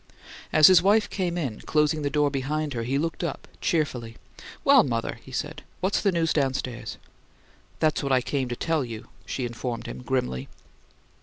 As his wife came in, closing the door behind her, he looked up cheerfully, "Well, mother," he said, "what's the news downstairs?" "That's what I came to tell you," she informed him, grimly.